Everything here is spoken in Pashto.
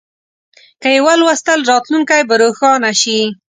که یې ولوستل، راتلونکی به روښانه شي.